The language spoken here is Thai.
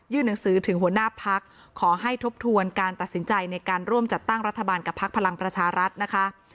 หนังสือถึงหัวหน้าพักขอให้ทบทวนการตัดสินใจในการร่วมจัดตั้งรัฐบาลกับพักพลังประชารัฐนะคะ